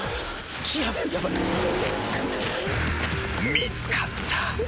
［見つかった］